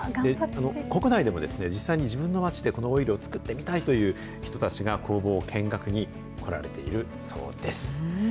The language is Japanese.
国内でも、実際に自分の足で、このオイルを作ってみたいという人たちが工房を見学に来られているそうです。